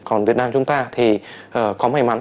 còn việt nam chúng ta thì có may mắn